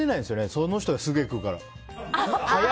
その人がすげえ食うから。